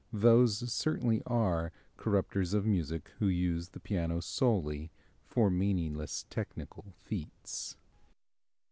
Those certainly are corrupters of music who use the piano solely for meaningless technical feats.